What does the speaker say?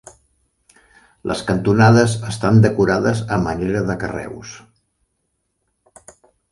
Les cantonades estan decorades a manera de carreus.